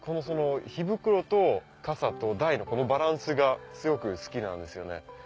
火袋と笠と台のバランスがすごく好きなんですよね。